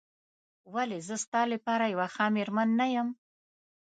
ولې زه ستا لپاره یوه ښه مېرمن نه یم؟